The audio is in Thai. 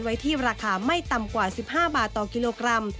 ไว้ที่ราคาไม่ต่ำกว่า๑๕บาทต่อกิโลกรัม